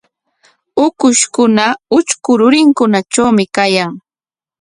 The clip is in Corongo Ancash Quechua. Ukushkuna utrku rurinkunatrawmi kawan.